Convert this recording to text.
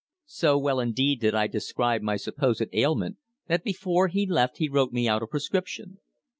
So well indeed did I describe my supposed ailment that before he left he wrote me out a prescription.